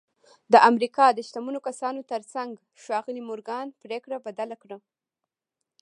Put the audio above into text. د امریکا د شتمنو کسانو ترڅنګ ښاغلي مورګان پرېکړه بدله کړه